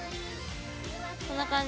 こんな感じ？